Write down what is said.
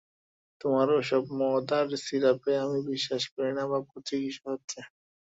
তোমার ওসব মদ আর সিরাপে আমি বিশ্বাস করি না বাপু চিকিৎসা হচ্ছে!